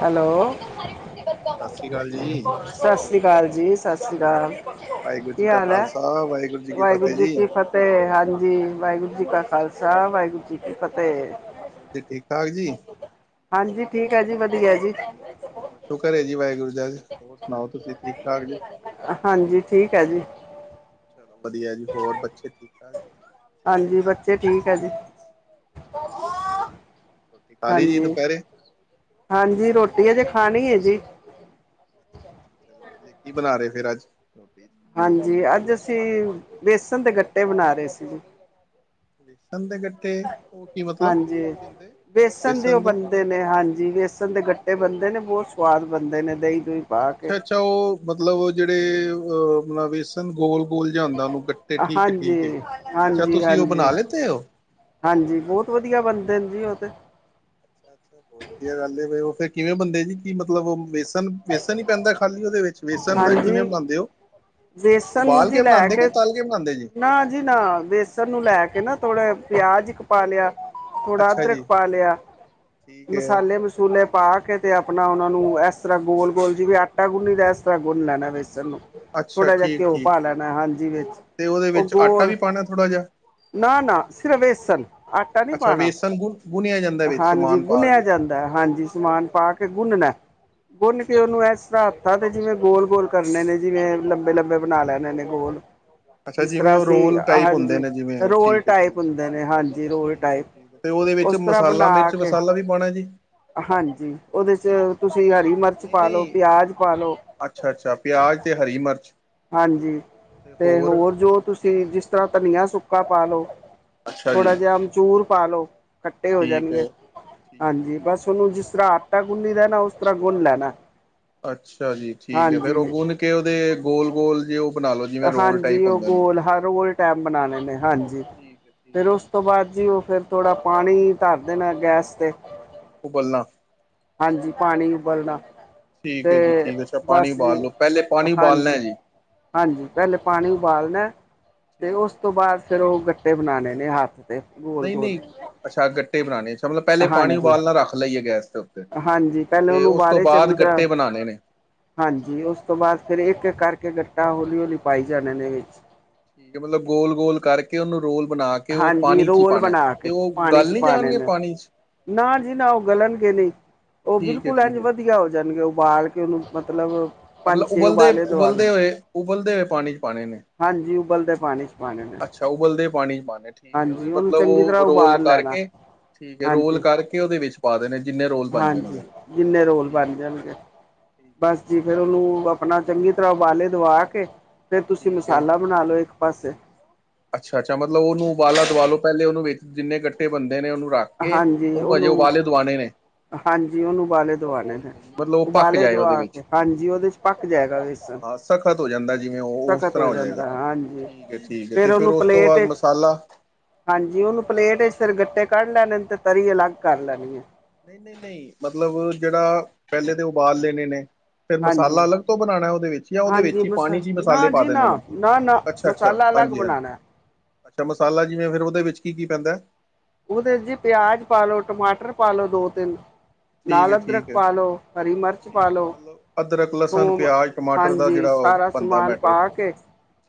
Hello ਸ਼ਸ਼ੀ ਕਾਲ ਜੀ। ਸਸਰੀ ਕਾਲ ਜੀ, ਸਸਰੀ ਕਾਲ, ਵਾਹਿਗੁਰੂ ਜੀ ਕੀ ਕਾ ਹਾਲ ਐ ਖਾਲਸਾ ਜੀ ਕੀ ਵਾਹਿਗੁਰੂ ਫਤਿਹ ਜੀ ਕੀ ਫਤਿ- ਫਤਿਹ ਤੇ ਹਾਂਜੀ ਵਾਹਿਗੁਰੂ ਜੀ ਕਾ ਖਾਲਸਾ ਵਾਹਿਗੁਰੂ ਜੀ ਕੀ ਫ਼ਤਿਹ ਹੋਰ ਜੀ ਠੀਕ - ਠਾਕ ਜੀ। ਹਾਂਜੀ ਠੀਕ ਏ ਜੀ ਵਧੀਆ ਜੀ। ਹੋਰ ਸ਼ੁਕਰ ਏ ਜੀ ਵਾਹਿਗੁਰੂ ਦਾ ਹੋਰ ਸੁਣਾਓ ਤੁਸੀਂ ਠੀਕ ਠਾਕ ਜੀ ਹਾਂਜੀ, ਠੀਕ ਏ ਜੀ। ਚਲੋ ਵਧੀਆ ਜੀ ਹੋਰ ਬੱਚੇ ਠੀਕ ਠਾਕ ਜੀ। ਹਾਂਜੀ ਬੱਚੇ ਠੀਕ ਐ ਜੀ। ਹੋਰ ਰੋਟੀ ਖਾ ਲਈ ਜੀ ਹਾਂਜੀ ਦੁਪਹਿਰੇ। ਹਾਂਜੀ, ਰੋਟੀ ਅਜੇ ਖਾਣੀ ਐ ਜੀ ਅੱਛਾ ਅੱਛਾ ਚਲੋ ਵਧੀਆ, ਕੀ ਬਣਾ ਰਹੇ ਫੇਰ ਅੱਜ? ਹਾਂਜੀ, ਅੱਜ ਅਸੀਂ ਬੇਸਨ ਦੇ ਗੱਟੇ ਬਣਾ ਰਹੇ ਸੀ ਜੀ। ਬੇਸਣ ਦੇ ਗੱਟੇ, ਉਹ ਕੀ ਮਤਲਬ ਹਾਂਜੀ ਹੁੰਦੇ ਬੇਸਣ ਦੇ ਨੇ ਹਾਂਜੀ ਬੇਸਣ ਦੇ ਗੱਟੇ ਬਣਦੇ ਨੇ। ਬਹੁਤ ਸਵਾਦ ਬਣਦੇ ਨੇ ਦਹੀਂ - ਦੂਈ ਅੱਛਾ - ਅੱਛਾ ਉਹ ਮਤਲਬ ਜਿਹੜੇ ਅਹ ਮਤਲਬ ਬੇਸਣ ਗੋਲ - ਗੋਲ ਜ ਹੁੰਦਾ ਉਹਨੂੰ ਗੱਟੇ ਠੀਕ -ਠੀਕ ਏ। ਹਾਂਜੀ ਅੱਛਾ ਹਾਂਜੀ ਤੁਸੀਂ ਉਹ ਹਾਂਜੀ ਬਣਾ ਲੇਤੇ ਹੋ। ਹਾਂਜੀ, ਬਹੁਤ ਵਧੀਆ ਬਣਦੇ ਨੇ ਜੀ ਉਹ ਤੇ। ਅੱਛਾ, ਬਹੁਤ ਵਧੀਆ ਗੱਲ ਏ। ਉਹ ਫਿਰ ਕਿਵੇਂ ਬਣਦੇ ਜੀ ਕਿ ਮਤਲਬ ਵੇਸਣ ਵੇਸਣ ਈ ਪੈਂਦਾ ਖਾਲੀ ਉਹਦੇ ਵਿੱਚ ਵੇਸਣ ਦਾ ਕਿਵੇਂ ਬਣਾਉਦੇ ਓ। ਵੇਸਣ ਨੂੰ ਜੀ ਲੈ ਕੇ, ਤਲ ਬਣਾਉਂਦੇ ਜੀ ਨਾ ਜੀ ਨਾ ਵੇਸ ਣ ਨੂੰ ਲੈ ਕੇ ਨਾ ਥੋੜਾ ਪਿਆਜ ਇੱਕ ਪਾ ਲਿਆ। ਥੋੜਾ ਅੱਛਾ ਜੀ ਅਦਰਕ ਪਾ ਲਿਆ। ਠੀਕ ਹੈ ਮਸਾਲੇ - ਮਸੂਲੇ ਪਾ ਕੇ ਤੇ ਆਪਣਾ ਉਹਨਾਂ ਨੂੰ ਇਸ ਤਰ੍ਹਾਂ ਗੋਲ ਗੋਲ ਜਿਵੇਂ ਆਟਾ ਗੁੰਨੀ ਦਾ ਇਸ ਤਰ੍ਹਾਂ ਗੁੰਨ ਲੈਣਾ ਵੇਸਣ ਨੂੰ। ਅੱਛਾ ਥੋੜ੍ਹਾ ਜਿਹਾ ਘਿਓ ਪਾ ਠੀਕ-ਠੀਕ-ਠੀਕ ਲੈਣਾ। ਹਾਂਜੀ, ਵਿੱਚ ਤੇ ਉਹਦੇ ਉਹ ਵਿੱਚ ਆਟਾ ਗੋਲ ਵੀ ਪਾਉਣਾ ਥੋੜ੍ਹਾ ਜਿਹਾ ਨਾ ਨਾ ਸਿਰਫ ਵੇਸਣ, ਆਟਾ ਨੀ ਅੱਛਾ ਪਾਣਾ ਵੇਸਣ ਗੁ ਗੁੰਨਿਆ ਜਾਂਦਾ ਵਿੱਚ ਹਾਂਜੀ, ਸਮਾਨ ਪਾ ਗੁਣਿਆ ਕੇ ਜਾਂਦਾ। ਹਾਂਜੀ, ਸਮਾਨ ਪਾ ਕੇ ਗੁੰਨਣਾ, ਗੁੰਨ ਕੇ ਉਹਨੂੰ ਅੱਛਾ-ਅੱਛਾ ਅੱਛਾ ਇਸ ਤਰ੍ਹਾਂ ਤੇ ਜਿਵੇਂ ਗੋਲ - ਗੋਲ ਕਰਨੇ ਨੇ ਜਿਵੇਂ ਲੰਬੇ - ਲੰਬੇ ਬਣਾ ਲੈਣੇ ਨੇ ਗੋਲ। ਅੱਛਾ, ਜਿਸ ਜਿਵੇਂ ਤਰ੍ਹਾਂ ਉਹ ਅਸੀਂ ਰੋਲ ਟਾਈਪ ਹੁੰਦੇ ਹਾਂਜੀ, ਨੇ ਜਿਵੇਂ ਰੋਲ ਠੀਕ ਹੈ ਟਾਈਪ ਠੀਕ ਹੁੰਦੇ ਨੇ ਹਾਂਜੀ ਰੋਲ ਠੀਕ ਹੈ ਟਾਈਪ। ਠੀਕ ਹੈ ਤੇ ਉਹਦੇ ਵਿੱਚ ਉਸ ਤਰ੍ਹਾਂ ਮਸਾਲਾ, ਬਣਾ ਮਿਰਚ - ਕੇ ਮਸਾਲਾ ਵੀ ਪਾਉਣਾ ਜੀ ਹਾਂਜੀ ਉਹਦੇ ਚ ਤੁਸੀਂ ਹਰੀ ਮਿਰਚ ਨਹੀਂ - ਪਾ ਲਓ ਨਹੀਂ, ਪਿਆਜ ਪਾ ਲਓ ਅੱਛਾ - ਅੱਛਾ ਪਿਆਜ ਤੇ ਹਰੀ ਮਿਰਚ ਹਾਂਜੀ, ਤੇ ਹੋਰ ਜੋ ਤੁਸੀ ਤੇ ਜਿਸ ਤਰ੍ਹਾਂ ਧਨੀਆ ਸੁੱਕਾ ਪਾ ਲੋ। ਅੱਛਾ ਜੀ ਥੋੜਾ ਜਿਹਾ ਅਮਚੂਰ ਪਾ ਲੋ। ਕੱਠੇ ਹੋ ਠੀਕ ਜਾਣਗੇ ਹੈ ਠੀਕ ਹਾਂਜੀ ਹੈ। ਬਸ। ਉਹਨੂੰ ਜਿਸ ਤਰ੍ਹਾਂ ਆਟਾ ਗੁੰਨੀ ਦਾ ਨਾ ਉਸ ਤਰ੍ਹਾਂ ਗੁੰਨ ਲੈਣਾ। ਅੱਛਾ ਜੀ, ਠੀਕ ਏ ਫੇਰ ਉਹ ਹਾਂਜੀ ਗੁੰਨ ਕੇ ਉਹਦੇ ਗੋਲ - ਗੋਲ ਜੇ ਉਹ ਬਣਾ ਲਓ ਜਿਵੇਂ ਰੋਲ ਹਾਂਜੀ, ਟਾਈਪ ਉਹ ਹੁੰਦੇ ਨੇ। ਗੋਲ ਹਾਂ ਰੋਲ ਟੈਪ ਬਣਾਨੇ ਹਾਂਜੀ। ਠੀਕ ਹੈ ਫਿਰ ਠੀਕ ਹੈ ਉਸ ਜੀ। ਤੋਂ ਬਾਅਦ ਜੀ ਉਹ ਫਿਰ ਥੋੜ੍ਹਾ ਪਾਣੀ ਧਰ ਦੇਣਾ ਗੈਸ ਤੇ ਉਬਲਣਾ। ਹਾਂਜੀ, ਪਾਣੀ ਉਬਲਣਾ ਠੀਕ ਤੇ ਹੈ ਜੀ ਠੀਕ ਅੱਛਾ ਪਾਣੀ ਬਸ ਜੀ ਉਬਾਲ ਲੋ ਪਹਿਲੇ ਪਾਣੀ ਉਬਾਲਣਾ ਹੈ ਹਾਂਜੀ ਜੀ। ਹਾਂਜੀ ਪਹਿਲੇ ਪਾਣੀ ਉਬਾਲਣਾ ਅਤੇ ਠੀਕ ਉਸ ਹੈ। ਤੋਂ ਬਾਅਦ ਫਿਰ ਉਹ ਗੱਟੇ ਬਣਾਨੇ ਨੇ ਹੱਥ ਤੇ। ਗੋਲ - ਨਹੀਂ ਗੋਲ ਨਹੀਂ ਅੱਛਾ ਗੱਟੇ ਬਣਾਣੇ ਅੱਛਾ ਮਤਲਬ ਪਹਿਲੇ ਪਾਣੀ ਹਾਂਜੀ ਉਬਾਲਣਾ ਨਾਲ ਰੱਖ ਲਈਏ ਗੈਸ ਦੇ ਉੱਤੇ। ਹਾਂਜੀ ਪਹਿਲੇ ਤੇ ਉਹਨੂੰ ਉਸ ਤੋਂ ਉਬਾਲੇ ਬਾਅਦ ਚੰਗੀ ਤਰ੍ਹਾਂ ਗੱਟੇ ਬਣਾਨੇ ਨੇ। ਹਾਂਜੀ ਉਸ ਤੋਂ ਬਾਅਦ ਫਿਰ ਇੱਕ - ਇੱਕ ਕਰਕੇ ਗੱਟਾ ਹੌਲੀ - ਹੌਲੀ ਪਾਈ ਜਾਣੇ ਨੇ ਇਹੇ ਕਿ ਮਤਲਬ ਗੋਲ - ਗੋਲ ਕਰਕੇ ਉਹਨੂੰ ਰੋਲ ਬਣਾ ਕੇ ਕੇ ਉਹ ਹਾਂਜੀ ਪਾਣੀ 'ਚ' ਹੀ ਰੋਲ ਪਾਣਾ ਬਣਾ ਕੇ ਤੇ ਉਹ ਪਾਣੀ ਗੱਲ ਚ ਨੀ ਪਾਣੇ ਜਾਣਗੇ ਨੇ ਪਾਣੀ 'ਚ' ਨਾ ਜੀ ਨਾ ਉਹ ਗਲਣਗੇ ਨਹੀਂ ਉਹ ਠੀਕ ਹੈ ਬਿਲਕੁਲ ਇੰਝ ਠੀਕ ਹੈ। ਵਧੀਆ ਹੋ ਜਾਣਗੇ ਉਹਬਾਲ ਕੇ ਚਲੋ ਮਤਲਬ ਪੰਜ ਮਤਲਬ ਛੇ ਉਬਲਦੇ ਉਬਾਲੇ - ਦਵਾ ਲੋ ਉਬਲਦੇ ਹੋਏ ਉਬਲਦੇ ਹੋਏ ਪਾਣੀ 'ਚ' ਪਾਣੇ ਨੇ ਹਾਂਜੀ ਉਬਲਦੇ ਪਾਣੀ 'ਚ' ਪਾਣਾ। ਅੱਛਾ ਉਬਲਦੇ ਪਾਣੀ ਚ ਪਾਣੇ ਨੇ ਠੀਕ ਆ ਉਹਦੇ ਚੰਗੀ ਤਰ੍ਹਾਂ ਉਹ ਰੋਲ ਉਬਾਲ ਲੈਣਾ ਕਰਕੇ ਠੀਕ ਰੋਲ ਹਾਂਜੀ ਕਰ ਉਹਦੇ ਵਿੱਚ ਪਾਅ ਦੇਣੇ ਆ ਜਿੰਨੇ ਰੋਲ ਬਣ ਜਾਣ ਉਹਦੇ ਹਾਂਜੀ ਵਿੱਚ ਜਿੰਨੇ ਰੋਲ ਬਣ ਠੀਕ ਹੈ ਜੀ ਜਾਣ। ਠੀਕ ਹੈ ਬਸ ਜੀ ਫਿਰ ਉਹਨੂੰ ਆਪਣਾ ਚੰਗੀ ਤਰ੍ਹਾਂ ਉਬਾਲੇ ਦਵਾ ਕੇ ਫੇਰ ਤੁਸੀਂ ਠੀਕ ਹੈ ਮਸਾਲਾ ਬਣਾ ਲਓ ਇੱਕ ਪਾਸੇ ਅੱਛਾ - ਅੱਛਾ ਮਤਲਬ ਉਹਨੂੰ ਉਬਾਲਾ ਦਵਾ ਲਓ ਪਹਿਲੇ ਉਹਨੂੰ ਜਿੰਨੇ ਗੱਟੇ ਬਣਦੇ ਨੇ ਉਹਨੂੰ ਰੱਖ ਕੇ ਉਹ ਹਜੇ ਉਬਾਲੇ ਦਵਾਣੇ ਨੇ। ਹਾਜੀ ਉਹਨੂੰ ਉਬਾਲੇ ਦਵਾਣੇ ਨੇ। ਠੀਕ ਹੈ ਜੀ ਮਤਲਬ ਉਹ ਪੱਕ ਉਬਾਲੇ ਜਾਏ ਉਹਦੇ ਦਵਾ ਵਿੱਚ ਕੇ ਹਾਜੀ ਉਹਦੇ 'ਚ' ਪੱਕ ਜਾਏਗਾ ਵੇਸਣ। ਹਾਂ ਸਖਤ ਹੋ ਜਾਂਦਾ ਜਿਵੇਂ ਉਹ ਉਸ ਸਖ਼ਤ ਤਰ੍ਹਾਂ ਹੋ ਜਾਏਗਾ ਜਾਂਦਾ ਹਾਂਜੀ ਠੀਕ ਆ ਠੀਕ ਆ ਤੇ ਫੇਰ ਫਿਰ ਉਹਨੂੰ ਉਸ ਤੋਂ ਪਲੇਟ ਬਾਅਦ ਵਿੱਚ ਮਸਾਲਾ ਹਾਂਜੀ ਉਹਨੂੰ ਪਲੇਟ ਵਿਚ ਗੱਟੇ ਕੱਢ ਲੈਣੇ ਤਰੀ ਅਲੱਗ ਕਰ ਲੈਣੀ ਆ। ਨਹੀਂ - ਨਹੀਂ - ਨਹੀਂ ਮਤਲਬ ਜਿਹੜਾ ਪਹਿਲੇ ਤੇ ਉਬਾਲ ਲੈਣੇ ਨੇ। ਫਿਰ ਹਾਂਜੀ ਮਸਾਲਾ ਅਲੱਗ ਬਣਾਉਣਾ ਉਹਦੇ ਵਿੱਚ ਜਾਂ ਉਹਦੇ ਹਾਂਜੀ ਵਿੱਚ ਹੀ ਮਸ ਪਾਣੀ ਚ ਹੀ ਨਾ ਪਾ ਜੀ ਨਾ ਦੇਣੇ ਨੇ ਨਾ ਨਾ ਅੱਛਾ - ਅੱਛਾ - ਅੱਛਾ ਮਸਾਲਾ ਅਲੱਗ ਹਾਂਜੀ - ਹਾਂਜੀ ਬਣਾਉਣਾ ਅੱਛਾ ਮਸਾਲਾ ਜਿਵੇਂ ਫਿਰ ਉਹਦੇ ਵਿੱਚ ਕੀ - ਕੀ ਪੈਂਦਾ। ਉਹਦੇ 'ਚ' ਜੀ ਪਿਆਜ ਪਾਲੋ ਟਮਾਟਰ ਪਾ ਲੋ ਦੋ, ਤਿੰਨ ਠੀਕ ਹੈ ਨਾਲ ਅਦਰਕ ਠੀਕ ਹੈ ਪਾ ਲਓ, ਹਰੀ ਮਿਰਚ ਪਾ ਠੀਕ ਲੋ, ਹੈ ਮਤਲਬ ਅਦਰਕ ਲਸਣ ਥੂਮ ਪਿਆਜ ਟਮਾਟਰ ਦਾ ਹਾਂਜੀ, ਜਿਹੜਾ ਉਹ ਸਾਰਾ ਬਣਦਾ ਸਮਾਨ ਮੈਟਰ ਪਾ ਕੇ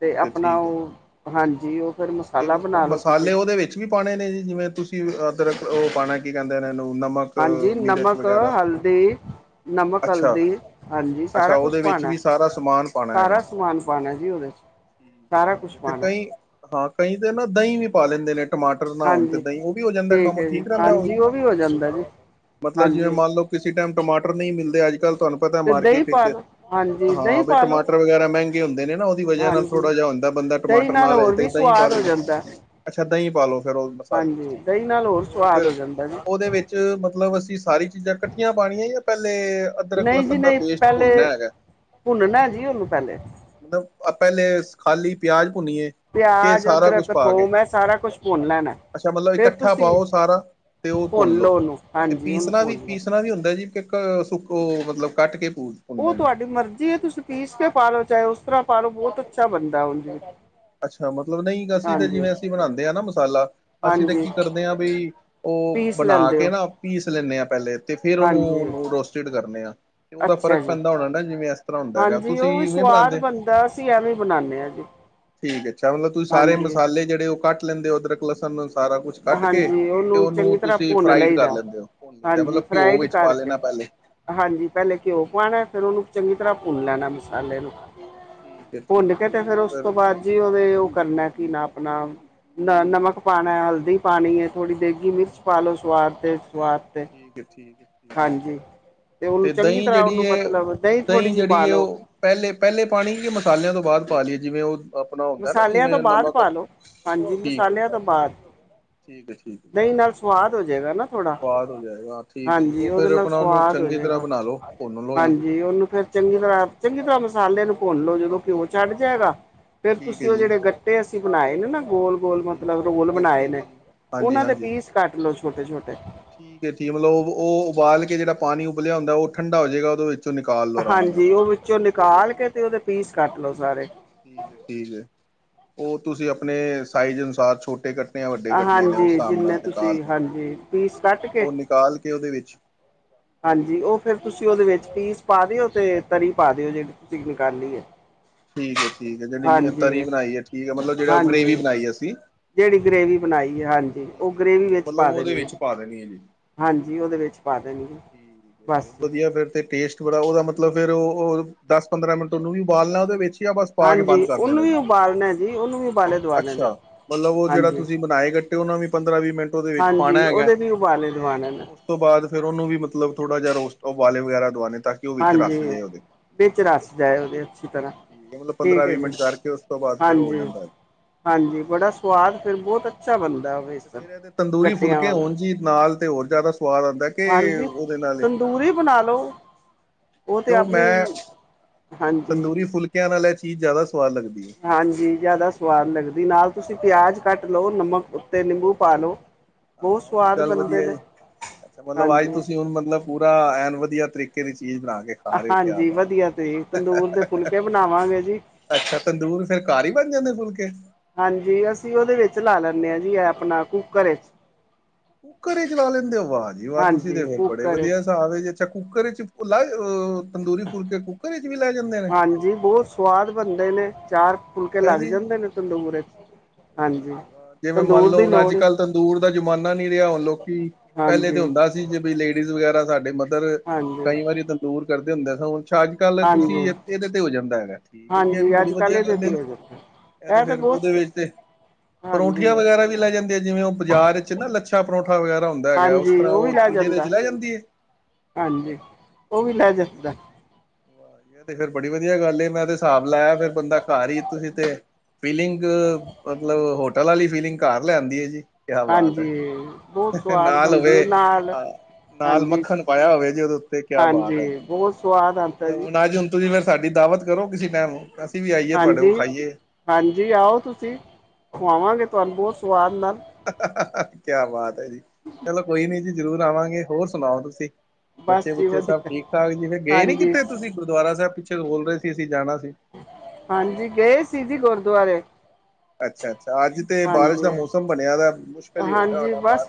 ਤੇ ਹੈ ਆਪਣਾ ਠੀਕ ਹੈ ਉਹ, ਹਾਂਜੀ ਉਹ ਫਿਰ ਤੇ ਮਸਾਲਾ ਮ- ਉਹ ਬਣਾ ਲਓ ਤੁਸੀਂ ਮਸਾਲੇ ਉਹਦੇ ਵਿੱਚ ਵੀ ਪਾਉਣੇ ਨੇ ਜੀ ਜਿਵੇਂ ਤੁਸੀਂ ਅਦਰਕ ਉਹ ਪਾਉਣਾ ਕੀ ਕਹਿੰਦੇ ਇਹ ਨੂੰ ਨਮਕ ਹਾਂਜੀ, ਮਿਰਚ ਨਮਕ ਕ ਵਗੈਰਾ ਹਲਦੀ, ਨਮਕ, ਅੱਛਾ ਹਲਦੀ ਹਾਂਜੀ ਅੱਛਾ ਸਾਰਾ ਕੁਛ ਉਹਦੇ ਵਿੱਚ ਪਾਣਾ। ਵੀ ਸਾਰਾ ਸਮਾਨ ਪਾਣਾ ਹੈਗਾ ਸਾਰਾ ਸਮਾਨ ਪਾਉਣਾ ਜੀ ਉਹਦੇ 'ਚ' ਠੀਕ ਹੈ ਸਾਰਾ ਠੀਕ ਕੁਛ ਹੈ ਤੇ ਪਾਉਣਾ। ਕਈ ਹਾਂ ਕਈ ਤਾਂ ਨਾ ਦਹੀਂ ਵੀ ਪਾ ਲੈਂਦੇ ਨੇ ਟਮਾਟਰ ਨਾ ਹੋਣ ਤੇ ਹਾਂਜੀ ਦਹੀਂ ਉਹ ਵੀ ਹੋ ਜਾਂਦਾ ਕੰਮ ਹੈ ਜੀ ਠੀਕ ਰਹਿੰਦਾ ਉਹ ਹਾਂਜੀ ਵੀ ਵੀ ਹੋ ਜਾਂਦਾ ਜੀ ਮਤਲਬ ਜਿਵੇ ਹਾਂਜੀ ਮੰਨ ਲਓ ਕਿਸੇ ਟਾਈਮ ਟਮਾਟਰ ਨਹੀਂ ਮਿਲਦੇ ਅੱਜ-ਕੱਲ੍ਹ ਤੁਹਾਨੂੰ ਪਤਾ ਤੇ ਦਹੀਂ ਮਾਰਕੀਟ ਵਿੱਚ ਪਾ ਲੋ ਹਾਂਜੀ ਦਹੀਂ ਹਾਂ ਵੀ ਪਾ ਲੋ ਟਮਾਟਰ ਵਗੈਰਾ ਮਹਿੰਗੇ ਹੁੰਦੇ ਨੇ ਨਾ ਉਹਦੀ ਵਜ੍ਹਾ ਨਾਲ ਹਾਂਜੀ ਥੋੜਾ ਜਿਹਾ ਹੁੰਦਾ ਬੰਦਾ ਦਹੀਂ ਟਮਾਟਰ ਨਾ ਨਾਲ ਲੈ ਹੋਰ ਤੇ ਵੀ ਏਦਾਂ ਹੀ ਪਾ ਸਵਾਦ ਹੋ ਲੈ ਜਾਂਦਾ ਅੱਛਾ ਦਹੀਂ ਪਾਲੋ ਫਿਰ ਉਹ ਮਸਾਲੇ 'ਚ' ਹਾਂਜੀ ਠੀਕ ਐ ਦਹੀਂ ਜੀ ਨਾਲ ਹੋਰ ਤੇ ਉਹ ਸਵਾਦ ਫਿਰ ਹੋ ਜਾਂਦਾ ਜੀ ਉਹਦੇ ਵਿੱਚ 'ਚ' ਮਤਲਬ ਅਸੀਂ ਸਾਰੀ ਚੀਜ਼ਾਂ ਇਕੱਠੀਆਂ ਪਾਣੀਆਂ ਜਾਂ ਪਹਿਲੇ ਅਦਰਕ, ਨਹੀਂ ਜੀ ਲਸਣ ਦਾ ਨਹੀਂ ਪੇਸਟ ਪਹਿਲੇ ਭੁੰਨਣਾ ਹੈਗਾ।' ' [inaudible] ਭੁੰਨਨਾ ਜੀ ਉਹਨੂੰ ਪਹਿਲੇ ਮਤਲਬ ਪਹਿਲੇ ਖਾਲੀ ਪਿਆਜ ਭੁੰਨੀਏ। ਤੇ ਪਿਆਜ ਸਾਰਾ ਕੁਛ ਅਦਰਕ ਪਾ ਕੇ, ਥੋਮ ਇਹ ਸਾਰਾ ਕੁਛ ਭੁੰਨ ਲੈਣਾ ਅੱਛਾ ਮਤਲਬ ਫਿਰ ਇਕੱਠਾ ਤੁਸੀਂ ਪਾਉ ਸਾਰਾ ਤੇ ਉਹ ਭੁਨ ਭੁੰਨ ਲਉ। ਲਓ ਉਹਨੂੰ ਹਾਂਜੀ ਉਹਨੂੰ ਪੀਸਣਾ ਵੀ ਭੁੰਨ ਲਓ ਪੀਸਣਾ ਵੀ ਹੁੰਦਾ ਜੀ ਸੁ ਉਹ ਮਤਲਬ ਕੱਟ ਕੇ ਪਉ। ਉਹ ਤੁਹਾਡੀ ਮਰਜ਼ੀ ਏ ਤੁਸੀਂ ਪੀਸ ਕੇ ਪਾ ਲਉ ਚਾਹੇ ਉਸ ਤਰ੍ਹਾਂ ਪਾਲੋ ਬਹੁਤ ਅੱਛਾ ਬਣਦਾ ਉਜ ਅੱਛਾ ਮਤਲਬ ਨਹੀਂ ਅਸੀਂ ਤੇ ਜਿਵੇਂ ਅਸੀਂ ਬਣਾਦੇ ਆ ਨਾ ਮਸਾਲਾ ਅਸੀਂ ਤਾਂ ਹਾਂਜੀ ਕੀ ਕਰਦੇ ਆ ਬਾਈ, ਉਹ ਪੀਸ ਬਣਾ ਲੈਂਦੇ ਕੇ ਹੋ ਨਾ ਪੀਸ ਲੈਂਦੇ ਆ ਪਹਿਲੇ ਤੇ ਫਿਰ ਹਾਂਜੀ ਉਹਨੂੰ ਰੋਸਟਡ ਕਰਦੇ ਆ ਤੇ ਉਹਦਾ ਅੱਛਾ ਫ਼ਰਕ ਜੀ ਪੈਂਦਾ ਹੋਣਾ ਨਾ ਜਿਵੇਂ ਇਸ ਤਰ੍ਹਾਂ ਹੁੰਦਾ ਗਾ, ਤੁਸੀਂ ਉਵੇਂ ਬਣਾਦੇ। ਤੀ ਐਵੈਂ ਬਨਾਣੇ ਆ ਜੀ। ਠੀਕ ਐ, ਅੱਛਾ ਮਤਲਬ ਤੁਸੀਂ ਸਾਰੇ ਹਾਂਜੀ ਮਸਾਲੇ ਜਿਹੜੇ ਉਹ ਕੱਟ ਲੈਂਦੇ ਹੋ ਅਦਰਕ, ਲਸਣ ਸਾਰਾ ਕੁਛ ਕੱਟ ਕੇ ਹਾਂਜੀ ਤੇ ਉਹਨੂੰ ਚੰਗੀ ਤਰ੍ਹਾਂ ਤੁਸੀਂ ਭੁੰਨ ਫਰਾਈਡ ਕਰ ਲਈਦਾ ਲੈਂਦੇ ਹੋ ਭੁੰਨ ਲਈ ਦਾ ਹਾਂਜੀ ਮਤਲਬ ਘਿਓ ਫਰਾਈਡ ਵਿੱਚ ਪਾ ਕਰਕੇ ਲੈਣਾ ਪਹਿਲੇ ਹਾਂਜੀ, ਪਹਿਲੇ ਘਿਓ ਪਾਣਾ ਫੇਰ ਉਹਨੂੰ ਚੰਗੀ ਤਰ੍ਹਾਂ ਭੁੰਨ ਲੈਣਾ ਮਸਾਲੇ ਨੂੰ। ਠੀਕ ਐ, ਭੁੰਨ ਠੀਕ ਐ ਕੇ ਜੀ ਤੇ ਫੇਰ ਉਹ ਉਸ ਫਿਰ ਤੋਂ ਬਾਅਦ ਜੀ ਉਵੇਂ ਉਹ ਕਰਨਾ ਕੀ ਨਾ ਆਪਣਾ ਨਮਕ ਪਾਉਣਾ, ਹਲਦੀ ਪਾਣੀਂ ਐ ਥੋੜੀ ਦੲੀ ਵੇਗੀ ਠੀਕ ਮਿਰਚ ਪਾਲੋ ਸਵਾਦ ਤੇ ਸੁਵਾਦ ਤੇੇ ਠੀਕੇ-ਠੀਕ ਐ। ਉਹਨੂੰ ਤੇ ਚੰਗੀ ਦਹੀਂ ਤਰ੍ਹਾਂ ਜਿਹੜੀ ਉਹਨੂੰ ਮਤਲਬ ਉਹ, ਥੋੜ੍ਹੀ ਦਹੀਂ ਜਿਹੀ ਪਾ ਜਿਹੜੀ ਲੋ। ਉਹ ਪਹਿਲੇ-ਪਹਿਲੇ ਪਾਣੀ ਕੇ ਮਸਾਲਿਆਂ ਤੋ ਬਾਅਦ ਪਾ ਲੀਏ? ਜਿਵੇਂ ਉਹ ਆਪਣਾ ਹੁੰਦਾ ਨਾ ਮਸਾਲਿਆਂ ਤੋਂ ਜਿਵੇਂ ਬਾਅਦ ਨਮਕ, ਪਾ ਲੋ ਹਾਂਜੀ ਠੀਕ ਐ ਮਸਾਲਿਆਂ ਤੋਂ ਬਾਅਦ। ਜੀ ਠੀਕ-ਠੀਕ ਐ ਜੀ। ਦਹੀਂ ਨਾਲ ਸਵਾਦ ਹੋ ਜਾਏਗਾ ਨਾ ਥੋੜਾ, ਜਾਏਗਾ ਠੀਕ ਹੈ ਜੀ ਹਾਂਜੀ ਉਹ ਉਹਦੇ ਫਿਰ ਨਾਲ ਆਪਣਾ ਉਹਨੂੰ ਸਵਾਦ ਚੰਗੀ ਤਰ੍ਹਾਂ ਹੋਜਾਏਗਾ ਬਣਾ ਲਓ ਭੁੰਨ ਲਓ ਜੀ ਹਾਂਜੀ ਉਹਨੂੰ ਫਿਰ ਚੰਗੀ ਤਰ੍ਹਾਂ, ਚੰਗੀ ਤਰ੍ਹਾਂ ਮਸਾਲੇ ਨੂੰ ਭੁੰਨ ਲੋ, ਜਦੋਂ ਘਿਓ ਛਡੱ ਜਾਏਗਾ ਫੇਰ ਠੀਕ ਤੁਸੀਂ ਹੈ ਉਹ ਜੀ ਜਿਹੜੇ ਗੱਟੇ ਅਸੀਂ ਬਣਾਏ ਨੇ ਨਾ ਗੋਲ ਗੋਲ ਠੀਕ ਮਤਲਬ ਰੋਲ ਠੀਕ ਹੈ ਬਣਾਏ ਠੀਕ ਨੇ, ਹੈ ਜੀ ਹਾਂਜੀ ਉਹਨਾਂ ਦੇ ਹਾਂਜੀ ਪੀਸ ਕੱਟ ਲੋੋ ਛੋਟੇ-ਛੋਟੇ ਠੀਕ ਐ ਠੀਕ ਮਤਲਬ ਉਹ ਉਬਾਲ ਕੇ ਜਿਹੜਾ ਪਾਣੀ ਉੱਬਲਿਆ ਹੁੰਦਾ ਉਹ ਠੰਢਾ ਹੋ ਜਾਏਗਾ ਉਹਦੇ ਨਿਕਾਲ ਲਓ ਆਰਾਮ ਨਾਲ ਹਾਂਜੀ, ਉਹ ਵਿੱਚੋਂ ਨਿਕਾਲ ਠੀਕ ਹੈ ਕੇ ਤੇ ਉਹਦੇ ਪੀਸ ਕੱਟ ਲਓ ਸਾਰੇ। ਠੀਕ ਐ, ਠੀਕ ਐ, ਉਹ ਤੁਸੀਂ ਆਪਣੇ ਸਾਈਜ਼ ਅਨੁਸਾਰ ਛੋਟੇ ਕੱਟ ਣੇ ਜਾ ਵੱਡੇ ਕੱਟਣੇ ਨੇ ਉਸ ਹਾਂਜੀ ਹਿਸਾਬ ਨਾਲ ਜਿੰਨੇ ਤੁਸੀਂ ਨਿਕਾਲੋ, ਹਾਂਜੀ ਠੀਕ ਪੀਸ ਹੈ ਕੱਟ ਕੇ ਉਹ ਨਿਕਾਲ ਕੇ ਉਹਦੇ ਵਿੱਚ ਹਾਂਜੀ, ਉਹ ਫਿਰ ਤੁਸੀਂ ਉਹਦੇ ਵਿੱਚ ਪੀਸ ਪਾ ਦਿਓ। ਅਤੇ ਤਰੀ ਪਾ ਦਿਓ ਜੇ ਤੁਸੀਂ ਨਿਕਾਲੀ ਐ। ਠੀਕ ਹੈ, ਠੀਕ ਹੈ ਜਾਨੀ ਕਿ ਤਰੀ ਬਣਾਈ ਠੀਕ ਮਤਲਬ ਉਹ ਗਰੇਵੀ ਹਾਂਜੀ ਬਈ ਅਸੀਂ ਜਿਹੜੀ ਗਰੇੇਵੀ ਬਣਾਈ ਹੈ ਹਾਂਜੀ ਉਹ ਠੀਕ ਹੈ ਜੀ। ਗਰੇੇਵੀ ਠੀਕ ਹੈ ਵਿੱਚ ਮਤਲਬ ਪਾ ਉਹਦੇ ਦੇਣੀ ਆ। ਵਿੱਚ ਪਾ ਦੇਣੀ ਆ ਜੀ ਦੇਣੀ ਹੈ ਠੀਕ ਬਸ ਬਹੁਤ ਵਧੀਆ ਫਿਰ ਤੇ ਟੇਸਟ ਥੋੜਾ ਉਹਦਾ ਮਤਲਬ ਫਿਰ ਉਹ ਦਸ, ਪੰਦਰਾਂ ਮਿੰਟ ਉਹਨੂੰ ਵੀ ਬਾਲਣਾ ਉਹਦੇ ਵਿੱਚ। ਬਸ ਪਾ ਕੇ ਹਾਂਜੀ ਬੰਦ ਕਰ ਉਹਨੂੰ ਦੇਣਾ ਵੀ ਜੀ ਉਬਾਲਣਾ ਜੀ ਉਹਨੂੰ ਵੀ ਉਬਾਲੇ ਦਵਾਣੇ ਨੇ ਅੱਛਾ ਮਤਲਬ ਉਹ ਜਿਹੜਾ ਹਾਂਜੀ ਤੁਸੀਂ ਮਤਲ ਬਣਾਏ ਗੱਟੇ ਉਹਨਾ ਵੀ ਪੰਦਰਾਂ, ਵੀਹ ਮਿੰਟ ਉਹਦੇ ਵਿੱਚ ਪਾਉਣਾ ਹਾਂਜੀ ਹੈਗਾ ਉਹਦੇ ਵੀ ਉਬਾਲੇ ਤੇ ਦਵਾਣੇ ਨੇ ਉਸ ਤੋਂ ਬਾਦ ਫਿਰ ਉਹਨੂੰ ਵੀ ਮਤਲਬ ਥੋੜਾ ਜਿਹਾ ਰੋਸਟ ਉਵਾਲੇ ਵਗੈਰਾ ਦਵਾਉਣੇ ਤਾਂ ਕਿ ਉਹ ਵਿੱਚ ਰਸ ਹਾਂਜੀ ਜਾਏ ਉਹਦੇ ਵਿੱਚ ਰੱਸ ਜਾਏ ਉਹਦੇ ਅੱਛੀ ਤਰ੍ਹਾਂ, ਠੀਕ ਹੈ ਮਤਲਬ ਠੀਕ ਪੰਦਰਾਂ ਹੈ ਵੀਹ ਜੀ ਮਿੰਟ ਕਰਕੇ ਉਸ ਤੋਂ ਬਾਅਦ ਫਿਰ ਹੋ ਹਾਂਜੀ। ਜਾਂਦਾ ਹੈ। ਹਾਂਜੀ, ਬੜਾ ਸਵਾਦ ਫਿਰ ਬਹੁਤ ਅੱਛਾ ਬਣਦਾ। ਵੇਸਣ ਫਿਰ ਇਹਦੇ ਤੰਦੂਰੀ ਗੱਟਿਆਂ ਫੁਲਕੇ ਵਾਲਾ ਹੋਣ ਜੀ ਨਾਲ ਤੇ ਹੋਰ ਜ਼ਿਆਦਾ ਸਵਾਦ ਆਉਂਦਾ ਕੇ ਹਾਂਜੀ ਤੰਦੂਰੀ ਬਣਾ ਲਉ ਉਹ ਤੇ ਕਿਉਂ ਆਪਣੀ, ਮੈਂ ਹਾਂਜੀ। [unintelligible] ਚੀਜ਼ ਜ਼ਿਆਦਾ ਸੁਵਾਦ ਲੱਗਦੀ। ਹਾਂਜੀ ਜ਼ਿਆਦਾ ਸਵਾਦ ਲੱਗਦੀ ਨਾਲ ਤੁਸੀਂ ਪਿਆਜ਼ ਕੱਟ ਲਓ ਨਮਕ ਉੱਤੇ ਨਿੰਬੂ ਪਾ ਲਓ ਬਹੁਤ ਹਾਂ, ਉਹ ਵੀ ਸਵਾਦ ਗੱਲ ਬਣਦੇ ਵਧੀਆ ਨੇ ਜੀ ਅੱਛਾ ਮਤਲਬ ਆਜ ਹਾਂਜੀ ਤੁਸੀਂ ਹੁਣ ਮਤਲਬ ਪੂਰਾ ਐਨ ਵਧੀਆ ਤਰੀਕੇ ਦੀ ਚੀਜ਼ ਬਣਾ ਕੇ ਖਾ ਰਹੇ ਹੋ ਕਿਆ ਹਾਂਜੀ, ਬਾਤ ਵਧੀਆ ਤੇ ਤੰਦੂਰ ਦੇ ਫੁਲਕੇ ਬਣਾਵਾਂਗੇ ਜੀ। ਅੱਛਾ ਤੰਦੂਰ ਫਿਰ ਘਰ ਹੀ ਬਣ ਜਾਂਦੇ ਫੁੱਲਕੇ? ਹਾਂਜੀ, ਅਸੀਂ ਉਹਦੇ ਵਿੱਚ ਲਾ ਲੈਂਨੇ ਹਾਂ ਜੀ ਐਪਣਾ ਕੁੂੱਕਰ ਵਿੱਚ। ਕੁੱਕਰ ਹੀ ਚਲਾ ਲੈਂਦੇ ਹੋ ਵਾਹ ਜੀ ਵਾਹ ਤੁਸੀਂ ਤੇ ਹਾਂਜੀ ਫਿਰ ਬੜੇ ਕੁੱਕਰ ਵਿੱਚ ਵਧੀਆ ਹਿਸਾਬ ਜੇ ਅੱਛਾ ਕੁੱਕਰ ਵਿੱਚ ਲਾ ਤੰਦੂਰੀ ਫੁਲਕੇ ਕੁੱਕਰ ਵਿੱਚ ਵੀ ਲੈ ਜਾਂਦੇ ਨੇ। ਹਾਂਜੀ, ਬਹੁਤ ਸਵਾਦ ਬਣਦੇ ਨੇ ਚਾਰ ਫੁਲਕੇ ਅੱਛਾ ਲੱਗ ਜੀ ਜਾਂਦੇ ਨੇ ਤੰਦੂਰੇ 'ਚ। ਵਾਹ ਹਾਂਜੀ, ਜੀ ਵਾਹ ਜਿਵੇਂ ਮੰਨ ਤੰਦੂਰ ਲਓ ਦੀ ਹੁਣ ਅੱਜ ਲੋੜ ਕੱਲ੍ਹ ਤੰਦੂਰ ਦਾ ਜ਼ਮਾਨਾ ਨੀ ਰਿਹਾ ਹੁਣ ਲੋਕੀ ਪਹਿਲੇ ਤੇ ਹਾਂਜੀ ਹੁੰਦਾ ਸੀ ਜੇ ਲੇਡੀਜ਼ ਵਗੈਰਾ ਸਾਡੇ ਮਦਰ ਹਾਂਜੀ ਕਈ ਵਾਰੀ ਦੂਰ ਕਰਦੇ ਹੁੰਦੇ ਸਭ ਅੱਛਾ, ਅੱਜ ਕੱਲ ਹਾਂਜੀ ਤੁਸੀਂ ਇਹਦੇ ਤੇ ਹੋ ਜਾਂਦਾ ਹੈਗਾ, ਠੀਕ ਹੈ ਜੀ ਇਹ ਵੀ ਹਾਂਜੀ ਬੜੀ ਅੱਜ ਕੱਲ੍ਹ ਵਧੀਆ ਇਹਦੇ ਗੱਲ ਹੈ। ਤੇ ਹੋ ਜਾਂਦਾ ਇਹ ਤੇ ਤਾਂ ਫਿਰ ਉਹਦੇ ਬਹੁਤ ਵਿੱਚ ਤੇ ਹਾਂਜੀ ਪਰੌਂਠੀਆਂ ਵਗੈਰਾ ਲੈ ਜਾਂਦੇ ਜਿਵੇਂ ਉਹ ਬਾਜ਼ਾਰ ਵਿੱਚ ਨਾ ਲੱਛਾ ਪਰੌਂਠਾ ਵਗੈਰਾ ਹੁੰਦਾ। ਹੈਗਾ ਉਸ ਹਾਂਜੀ ਤਰ੍ਹਾਂ ਵੀ ਉਹ ਲੈ ਚੀਜ਼ ਇਹਦੇ ਜਾਂਦਾ ਚ ਲੈ ਜਾਂਦੀ ਐ। ਹਾਂਜੀ ਉਹ ਵੀ ਲੈ ਜਾਂਦਾ ਵਾਹ ਜੀ, ਤੇ ਫਿਰ ਬੜੀ ਵਧੀਆ ਗੱਲ ਏ ਮੈਂ ਤੇ ਹਿਸਾਬ ਲਾਇਆ ਫਿਰ ਬੰਦਾ ਘਰ ਹੀਈ ਤੁਸੀਂ ਤੇ ਫੀਲਿੰਗ ਮਤਲਬ ਹੋਟਲ ਵਾਲੀ ਫੀਲਿੰਗ ਘਰ ਲਿਆਂਦੀ ਹੈ ਜੀ। ਕਿਆ ਬਾਤ ਹਾਂਜੀ ਬਹੁਤ ਹੈ ਸਵਾਦ ਨਾਲ ਬਣਦੀ ਹੋਵੇ ਉਹ ਨਾਲ ਅਹ ਨਾਲ ਮੱਖ਼ਣ ਪਾਇਆ ਹੋਵੇ ਜੇ ਉਦੋਂ ਫਿਰ ਕਿਆ ਬਾਤ ਜੀ ਬਹੁਤ ਸਵਾਦ ਨਾ ਜੀ ਹੁਣ ਫਿਰ ਸਾਡੀ ਦਾਅਵਤ ਕਰੋ ਕਿਸੇ ਟਾਈਮ ਅਸੀਂ ਵੀ ਆਈਏ ਤੁਹਾਡੇ ਕੋਲ ਹਾਂਜੀ। ਖਾਈਏ। ਹਾਂਜੀ ਆਓ ਤੁਸੀਂ ਖਵਾਵਾਂਗੇ ਤੁਹਾਨੂੰ ਬਹੁਤ ਸਵਾਦ ਨਾਲ [unintelligible] ਕਿਆ ਬਾਤ ਹੈ ਜੀ ਚਲੋ ਕੋਈ ਨੀ ਜੀ ਜ਼ਰੂਰ ਆਵਾਂਗੇ ਹੋਰ ਸੁਣਾਓ ਤੁਸੀਂ ਬੱਚੇ ਬਸ ਜੀ ਬੁੱਚੇ ਸਭ ਵਧੀਆ, ਠੀਕ ਠਾਕ ਜੀ ਫਿਰ ਗਏ ਨੀ ਹਾਂਜੀ। ਕਿੱਥੇ ਤੁਸੀਂ ਗੁਰਦੁਆਰਾ ਸਾਹਿਬ ਪਿੱਛੇ ਬੋਲ ਰਹੇ ਸੀ ਅਸੀਂ ਜਾਣਾ ਸੀ। ਹਾਂਜੀ ਗਏ ਸੀ ਜੀ ਗੁਰਦੁਆਰੇ। ਅੱਛਾ ਅੱਛਾ ਅੱਜ ਤੇ ਬਾਰਿਸ਼ ਦਾ ਹਾਂਜੀ, ਮੌਸ਼ਮ ਬਣਿਆ ਵਾ ਹਾਂਜੀ ਬਸ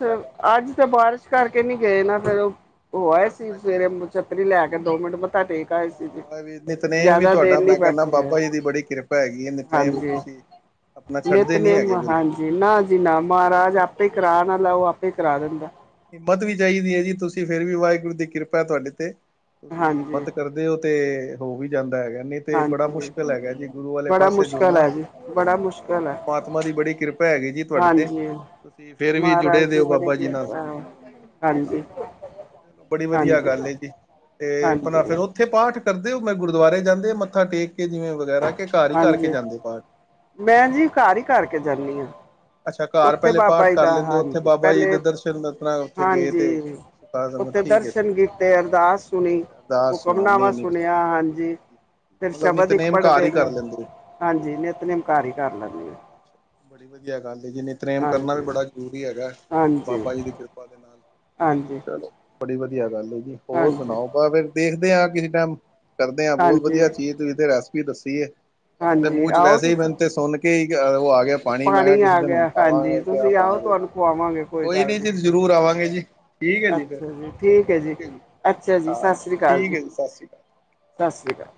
ਅੱਜ ਤਾਂ ਬਾਰਿਸ਼ ਕਰਕੇ ਨਹੀਂ ਗਏ ਨਾ ਫਿਰ ਉਹ ਅੱਛਾ ਸਵੇਰੇ ਛੱਤਰੀ ਲੈ ਕੇ ਦੋ ਮਿੰਟ ਮੱਥਾ ਟੇਕ ਆਏ ਸੀ ਜੀ ਅੱਛਾ ਵੀ ਨਿਤਨੇਮ ਵੀ ਜ਼ਿਆਦਾ ਤੁਹਾਡਾ ਦੇਰ ਨੀ ਮੈਂ ਕਹਿੰਦਾ ਬੈਠੇ ਬਾਬਾ ਜੀ ਦੀ ਹੋਏ। ਬੜੀ ਕਿਰਪਾ ਹੈਗੀ ਹੈ ਨਿਤੇਮ ਤੁਸੀਂ ਆਪਣਾ ਛੱਡਦੇ ਨੀ ਨਿਤਨੇਮ ਹੈਗੇ ਬਿਲਕੁਲ ਹਾਂਜੀ ਨਾ ਜੀ ਨਾ ਮਹਾਰਾਜ ਆਪੇ ਕਰਾਣ ਆਲਾ ਉਹ ਆਪੇ ਕਰਾ ਦਿੰਦਾ। ਹਿੰਮਤ ਵੀ ਚਾਹੀਦੀ ਐ ਜੀ ਤੁਸੀਂ ਫੇਰ ਵੀ ਵਾਹਿਗੁਰੂ ਦੀ ਕਿਰਪਾ ਤੁਹਾਡੇ ਤੇ, ਤੁਸੀਂ ਹਾਂਜੀ। ਹਿੰਮਤ ਕਰ ਉਹ ਤੇ ਹੋ ਵੀ ਜਾਂਦਾ ਹੈਗਾ ਨਹੀਂ ਤੇ ਬੜਾ ਹਾਂਜੀ ਮੁਸ਼ਕਿਲ ਹੈਗਾ ਜੀ ਗੁਰੂ ਵਾਲੇ ਬੜਾ ਪਾਸੇ ਮੁਸ਼ਕਿਲ ਜੁੜਨਾ ਹੈ ' [inaudible] ਜੀ ਬੜਾ ਮੁਸ਼ਕਿਲ ' ਹੈ ਪਰਮਾਤਮਾ ਦੀ ਬੜੀ ਕਿਰਪਾ ਕਿਰਪਾ ਹੈਗੀ ਜੀ ਤੁਹਾਡੇ ਤੇ, ਹਾਂਜੀ ਤੁਸੀਂ ' [inaudible] ' ਫੇਰ ਵੀ ਜੁੜੇ ਮਹਾਰਾਜ ਦੀ ਦਿਓ ਬੜੀ ਬਾਬਾ ਜੀ ਨਾਲ ਕਿਰਪਾ ਹੈ ਹਾਂਜੀ ਹਾਂ, ' [inaudible] ' ਬੜੀ ਵਧੀਆ ਹਾਂਜੀ ਗੱਲ ਜੀ ਤੇ ਬ ਫੇਰ ਹਾਂਜੀ ਉਹ ਉਥੇ ਪਾਠ ਕਰਦੇ ਹੋ ਮੈਂ ਗੁਰਦੁਆਰੇ ਜਾਂਦੇ ਮੱਥਾ ਟੇਕ ਕੇ ਜਿਵੇਂ ਵਗੈਰਾ ਕਿ ਘਰ ਹੀ ਕਰਕੇ ਹਾਂਜੀ ਜਾਂਦੇ ਪਾਠ ਮੈਂ ਜੀ ਘਰ ਹੀ ਕਰਕੇ ਜਾਣੀ ਆਂ। ' [inaudible] ਅੱਛਾ ' ਘਰ ਉੱਥੇ ਪਹਿਲੇ ਬਾਬਾ ਪਾਠ ਜੀ ਕਰ ਦਾ ' [inaudible] ' ਲੈਂਦੇ ਉੱਥੇ ਹਾਂਜੀ ਬਾਬਾ ਜੀ ਪਹਿਲੇ ਦੇ ' ਦਰਸ਼ਨ [inaudible] ਆਪਣਾ ' ਉੱਥੇ ਗਏ ਤੇ ਹਾਂਜੀ। ਸੁਖਾਸਨ, ਉੱਥੇ ਠੀਕ ਹੈ ਠੀਕ ਦਰਸ਼ਨ ਕੀਤੇ, ਅਰਦਾਸ ਹੈ ਸੁਣੀ ਅੱਛਾ ਅਰਦਾਸ ਸੁਣੀ ਹੁਕਮਨਾਮਾਂ ਨਹੀਂ ਨਹੀਂ ਠੀਕ ਸੁਣਿਆ ਹਾਂਜੀ ' [inaudible] ' ਫਿਰ ਮਤਲਬ ਸ਼ਬਦ ਇੱਕ ਨਿਤਨੇਮ ਘਰ ਪੜ੍ਹਦੇ ਹੀ ਕਰ ਨੇ। ਲੈਂਦੇ ਹੋ। ਹਾਂਜੀ ਨਿੱਤਨੇਮ ਘਰ ਹੀ ਕਰ ਲੈਂਣੇ ਆ। ਬੜੀ ਵਧੀਆ ਗੱਲ ਆ ਜਿਨੇ ਤਨੇਮ ਕਰਨਾ ਵੀ ਹਾਂਜੀ ਬੜਾ ਜ਼ਰੂਰੀ ਹੈਗਾ ' [inaudible] ' ਹਾਂਜੀ ਬਾਬਾ ਜੀ ਦੀ ਕਿਰਪਾ ਦੇ ਨਾਲ ਹਾਂਜੀ ਚਲੋ ਬੜੀ ਵਧੀਆ ਗੱਲ ਜੀ ਹੋਰ ਹਾਂਜੀ ਸੁਣਾਓ ਆਪ ਫਰ ਦੇਖਦੇ ਹਾਂ ਕਿਸੇ ਟਾਈਮ ਕਰਦੇ ਹਾਂ ਬਹੁਤ ਹਾਂਜੀ ਵਧੀਆ ਚੀਜ਼ ਤੁਸੀਂ ਤੇ ਰੈਸਪੀ ਦੱਸੀ ਏ ' [inaudible] ' ਤੇ ਹਾਂਜੀ ਮੂੰਹ 'ਚ' ਆਓ ਵੈਸੇ ਹੀ ਤੁਸੀਂ ਮੈਨੂੰ ਤੇ ਸੁਣ ਕੇ ਉਹ ਆ ਗਿਆ ਪਾਣੀ ਮੈਂ ਕਿਹਾ ਕਿਸੇ ਆ ਦਿਨ ਹੁਣ ਗਿਆ ਹਾਂਜੀ ਖਾਵਾਂਗੇ ਕਿਆ ਤੁਸੀਂ ਆਓ ਬਾਤ ਹੈ। ਜੀ, ਖਵਾਵਾਂਗੇ ਕੋਈ ਗੱਲ ਨੀ ਜੀ ਜ਼ਰੂਰ ਆਵਾਂਗੇ ਜੀ ਠੀਕ ਹੈ ਫਿਰ ਅੱਛਾ ਜੀ, ਠੀਕ ਐ ਜੀ, ਅੱਛਾ ਜੀ, ਹਾਂਜੀ ਸਾਸ੍ਰੀ ਕਾਲ ਠੀਕ ਜੀ' ਹੈ ਸਤਿ ਸ਼੍ਰੀ ਅਕਾਲ। ' [inaudible] ਸਾਸ਼੍ਰੀ ਕਾਲ।